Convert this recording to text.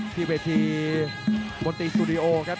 ที่เวทีมนตรีสตูดิโอครับ